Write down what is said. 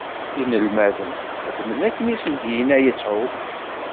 Inelmaden xedmen akken i sen-d-inna Yasuɛ.